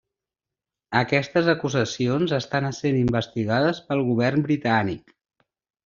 Aquestes acusacions estan essent investigades pel govern britànic.